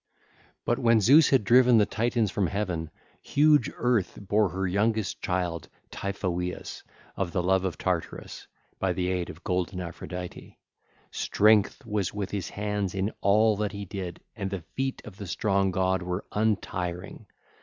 (ll. 820 868) But when Zeus had driven the Titans from heaven, huge Earth bare her youngest child Typhoeus of the love of Tartarus, by the aid of golden Aphrodite. Strength was with his hands in all that he did and the feet of the strong god were untiring.